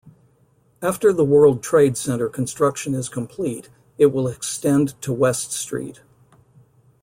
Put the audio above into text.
After the World Trade Center construction is completed, it will extend to West Street.